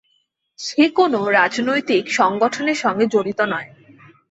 সে কোনো রাজনৈতিক সংগঠনের সঙ্গে জড়িত নয়।